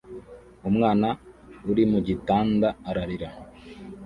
Umwana uri mu gitanda ararira